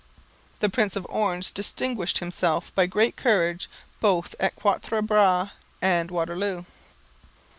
The Prince of Orange distinguished himself by great courage both at Quatre Bras and Waterloo.